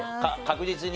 確実に。